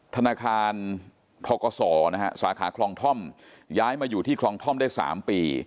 ธนาคารทกศสาขาคลองท่อมย้ายมาอยู่ที่คลองท่อมได้๓ปี